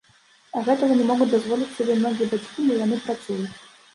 А гэтага не могуць дазволіць сабе многія бацькі, бо яны працуюць.